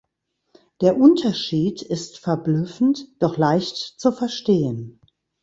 Der Unterschied ist verblüffend, doch leicht zu verstehen.